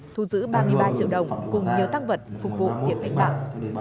thu giữ ba mươi ba triệu đồng cùng nhiều tăng vật phục vụ việc đánh bạc